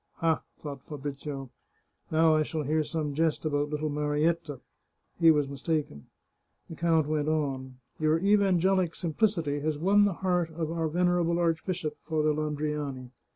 " Ha !" thought Fabrizio, " now I shall hear some jest about little Marietta." He was mistaken. The count went on :" Your evangelic simplicity has won the heart of our venerable archbishop. Father Landriani.